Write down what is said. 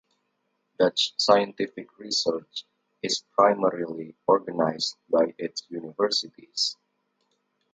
Dutch scientific research is primarily organised by its universities.